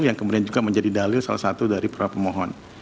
yang kemudian juga menjadi dalil salah satu dari para pemohon